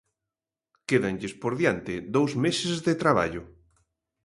Quédanlles por diante dous meses de traballo.